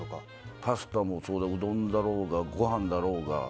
パスタだろうがうどんだろうが、ごはんだろうが。